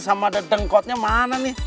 sama ada dengkotnya mana nih